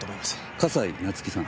笠井夏生さん？